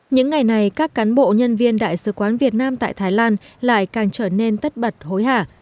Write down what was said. những ngày này các cán bộ nhân viên đại sứ quán việt nam tại thái lan lại càng trở nên tất bật hối hả